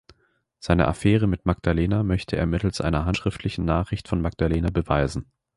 Seine Affäre mit Magdalena möchte er mittels einer handschriftlichen Nachricht von Magdalena beweisen.